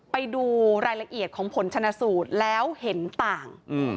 ไปดูรายละเอียดของผลชนะสูตรแล้วเห็นต่าง